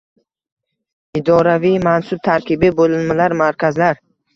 idoraviy mansub tarkibiy bo`linmalar, markazlar